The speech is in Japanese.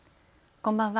こんばんは。